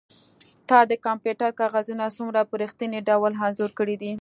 تا د کمپیوټر کاغذونه څومره په ریښتیني ډول انځور کړي دي